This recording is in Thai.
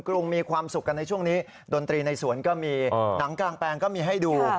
กรุงมีความสุขกันในช่วงนี้ดนตรีในสวนก็มีหนังกลางแปลงก็มีให้ดู